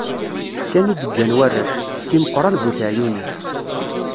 Ḥkan i d-ǧǧan warrac, Si Meqran bu teɛyunin.